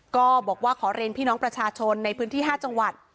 ก็บอกว่าขอเรียนพี่น้องประชาชนในพื้นที่๕จังหวัด